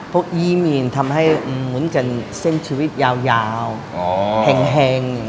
พวกยี่มีนทำให้เหมือนกันเส้นชีวิตยาวแห่ง